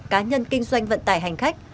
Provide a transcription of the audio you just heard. cá nhân kinh doanh vận tải hành khách